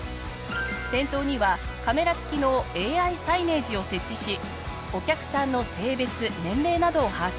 店頭にはカメラ付きのＡＩサイネージを設置しお客さんの性別年齢などを把握。